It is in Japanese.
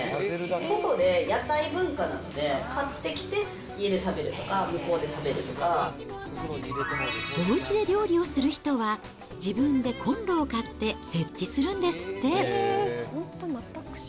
外で屋台文化なので、買ってきて家で食べるとか、向こうで食べるおうちで料理をする人は、自分でコンロを買って設置するんですって。